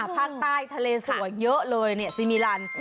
ภาคใต้ทะเลสวยเยอะเลยสิมีรันดิ์